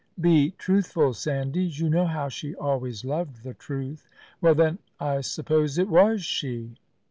"Be truthful, Sandys. You know how she always loved the truth." "Well, then, I suppose it was she."